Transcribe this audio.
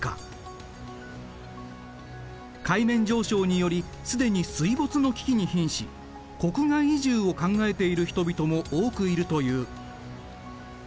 海面上昇により既に水没の危機にひんし国外移住を考えている人々も多くいるという。